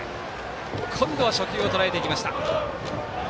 今度は初球をとらえてきました。